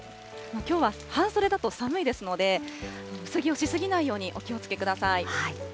きょうは半袖だと寒いですので、薄着をし過ぎないように、お気をつけください。